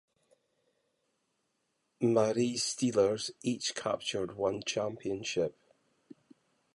Marie Steelers each captured one championship.